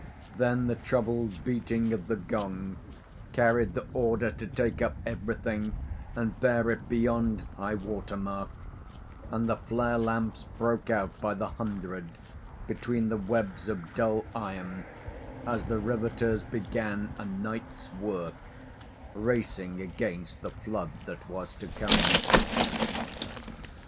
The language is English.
Then the troubled beating of the gong carried the order to take up everything and bear it beyond high water mark, and the flare lamps broke out by the hundred between the webs of dull iron as the riveters began a night's work, racing against the flood that was to come.